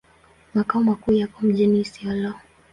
Makao makuu yako mjini Isiolo.